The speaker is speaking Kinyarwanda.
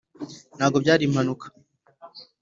ntabwo byari impanuka